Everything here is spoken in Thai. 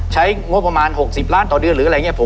ใช้งบประมาณ๖๐ล้านต่อเดือนหรืออะไรอย่างนี้